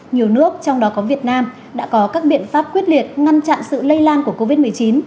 nhiều nước trong đó có việt nam đã có các biện pháp quyết liệt ngăn chặn sự lây lan của covid một mươi chín